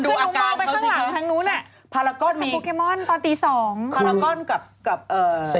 ดูอาการข้างนู้นเนี่ยพารากอนมีพารากอนกับโปเคมอนตอนตี๒